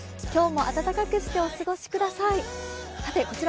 今日も暖かくしてお過ごしください。